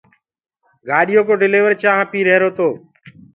گآڏيو ڪوَ ڊليور چآنه پيٚ هيرو تو